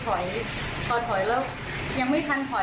ถอยพอถอยแล้วยังไม่ทันถอย